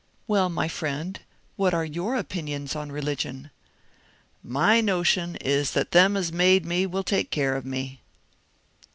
"Well, my friend, what are your own opinions on religion ?"" My notion is that them as made me will take care of me."